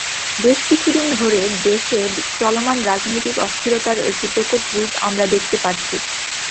বেশ কিছুদিন ধরে দেশে চলমান রাজনৈতিক অস্থিরতার একটি প্রকট রূপ আমরা দেখতে পারছি।